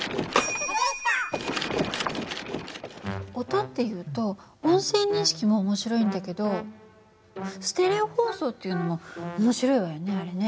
音っていうと音声認識もおもしろいんだけどステレオ放送っていうのもおもしろいわよねあれね。